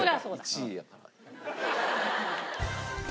１位やから。